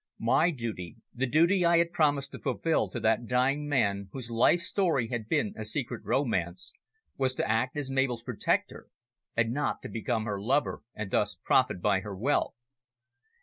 My duty, the duty I had promised to fulfil to that dying man whose life story had been a secret romance, was to act as Mabel's protector, and not to become her lover and thus profit by her wealth.